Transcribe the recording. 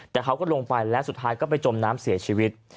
แต่เขาก็ลงไปและสุดท้ายก็ไปจมน้ำเสียชีวิต